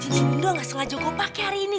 cincin mendo gak sengaja gue pake hari ini